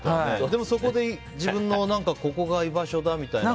でも、そこで自分のここが居場所だみたいな？